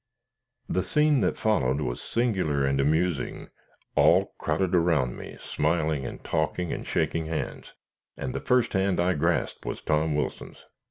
The scene that followed was singular and amusing. All crowded around me, smiling and talking and shaking hands; and the first hand I grasped was Tom Wilson's.